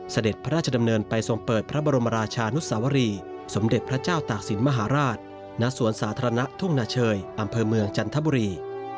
สมเด็จพระเจ้าตากศิลป์มหาราชณสวนสาธารณะทุ่งหน้าเชยอำเภอเมืองจันทบุรี